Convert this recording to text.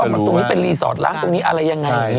มันตรงนี้เป็นรีสอร์ทล้างตรงนี้อะไรยังไง